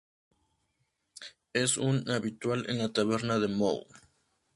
Es un habitual en la taberna de Moe.